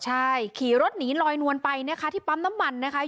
ใช่ขี่รถหนีลอยนวลไปนะคะที่ปั๊มน้ำมันนะคะ